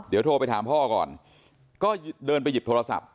เดี๋ยวโทรไปถามพ่อก่อนก็เดินไปหยิบโทรศัพท์